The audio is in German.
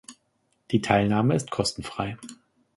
Die Teilnahme ist kostenfrei.